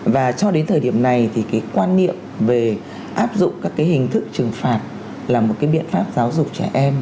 và cho đến thời điểm này thì cái quan niệm về áp dụng các cái hình thức trừng phạt là một cái biện pháp giáo dục trẻ em